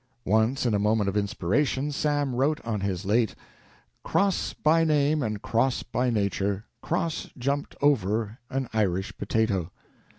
Once in a moment of inspiration Sam wrote on his late: "Cross by name and Cross by nature, Cross jumped over an Irish potato."